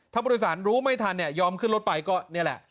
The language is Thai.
ถ้าผู้โดยสารรู้ไม่ทันเนี่ยยอมขึ้นรถไปก็นี่แหละ